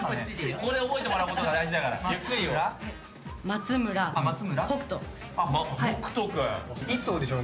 ここで覚えてもらうことが大事だからゆっくり言おう。